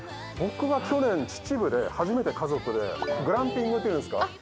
僕は去年秩父で初めて家族でグランピングっていうんですか？